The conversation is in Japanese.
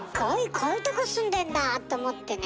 こういうとこ住んでんだ」と思ってね